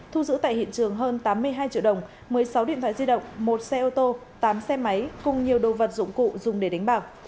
thu giữ tại hiện trường hơn tám mươi hai triệu đồng một mươi sáu điện thoại di động một xe ô tô tám xe máy cùng nhiều đồ vật dụng cụ dùng để đánh bạc